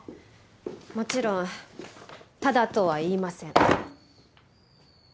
もちろんタダとは言いません。